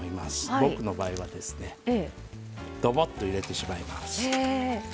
僕の場合はどばっと入れてしまいます。